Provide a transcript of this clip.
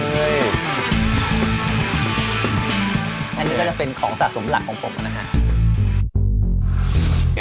นี่ก็จะเป็นของสะสมหลักของผมแล้วน่ะค่ะ